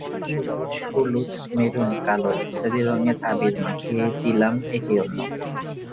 লাল, সবুজ, হলুদ, মেরুন, কালো ইত্যাদি রংয়ের আবির মাখিয়ে দিলাম একে অন্যকে।